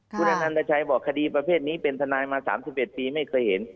คุณอนันทรชัยบอกคดีประเภทนี้เป็นทนายมาสามสิบเอ็ดปีไม่เคยเห็น